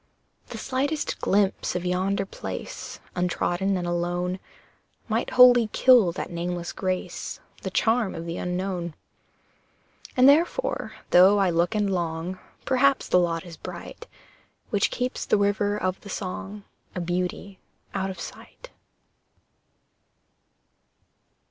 The slightest glimpse of yonder place, Untrodden and alone, Might wholly kill that nameless grace, The charm of the unknown. And therefore, though I look and long, Perhaps the lot is bright Which keeps the river of the song A beauty out of sight.